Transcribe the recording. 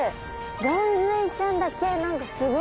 ゴンズイちゃんだけすごい。